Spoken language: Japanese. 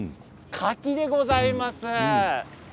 カキでございます。